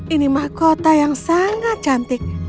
ini mahkota yang sangat cantik